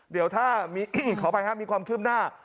เดี๋ยวถ้ามีขออภัยครับมีความคืบหน้า